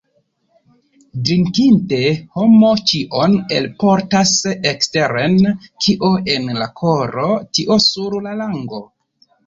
Drinkinte homo ĉion elportas eksteren: kio en la koro, tio sur la lango.